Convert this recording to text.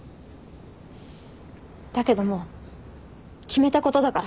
だけどもう決めたことだから。